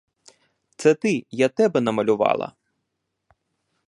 Це ти, я тебе намалювала.